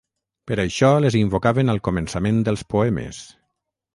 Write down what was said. Per això les invocaven al començament dels poemes.